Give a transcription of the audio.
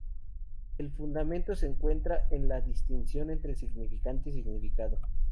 El fundamento se encuentra en la distinción entre significante y significado.